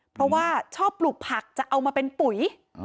เพราะว่าชอบปลูกผักจะเอามาเป็นปุ๋ย